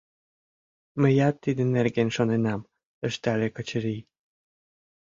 — Мыят тидын нерген шоненам, — ыштале Качырий.